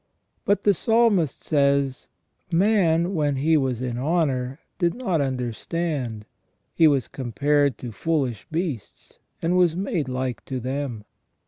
"§ But the Psalmist says :" Man when he was in honour, did not understand : he was compared to foolish beasts, and was made like to them